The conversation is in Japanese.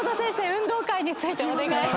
運動会についてお願いします。